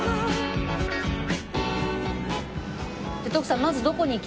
徳さん